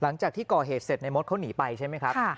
หลังจากที่ก่อเหตุเสร็จในมดเขาหนีไปใช่ไหมครับ